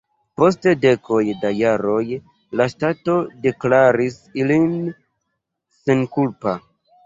Post dekoj da jaroj la ŝtato deklaris lin senkulpa.